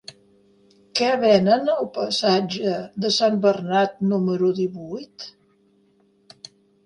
Què venen al passatge de Sant Bernat número divuit?